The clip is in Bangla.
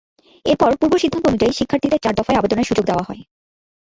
এরপর পূর্ব সিদ্ধান্ত অনুযায়ী শিক্ষার্থীদের চার দফায় আবেদনের সুযোগ দেওয়া হয়।